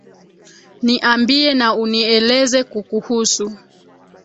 Niambie na unieleze kukuhusu.